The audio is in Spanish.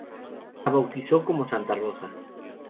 La bautizó como "Santa Rosa".